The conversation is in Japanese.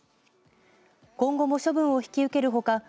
今後も処分を引き受けるほか